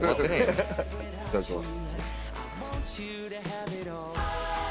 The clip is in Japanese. いただきます。